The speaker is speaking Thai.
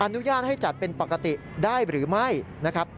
อนุญาตให้จัดเป็นปกติได้หรือไม่นะครับ